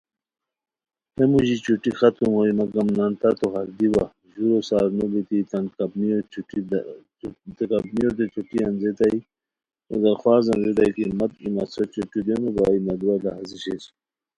ہے موژی تتو چھٹی ختم ہوئے، مگم نان تتو ہردی وا، ژورو سار نوبیتی تان کمپنیوتین چھٹیو درخواست انځئیتائے کی مت ای مسو چھٹی خور دیونوبائے، مہ دُورا لہازی شیر